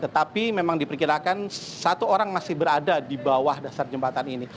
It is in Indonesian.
tetapi memang diperkirakan satu orang masih berada di bawah dasar jembatan ini